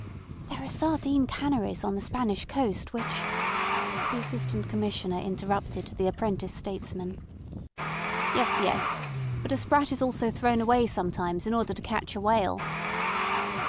"There are sardine canneries on the Spanish coast which—" The Assistant Commissioner interrupted the apprentice statesman. "Yes. Yes. But a sprat is also thrown away sometimes in order to catch a whale."